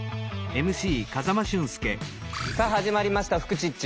さあ始まりました「フクチッチ」。